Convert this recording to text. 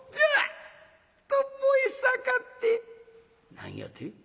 「何やて？